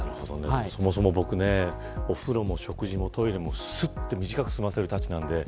そもそも僕、お風呂も食事もトイレも短く済ませるたちなんです。